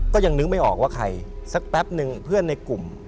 ก็ยังนึกไม่ออกว่าใครสักแป๊บนึงเพื่อนในกลุ่ม